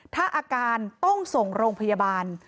ถ้าอาการต้องส่งโรงพยาบาล